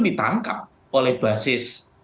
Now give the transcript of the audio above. ditangkap oleh basis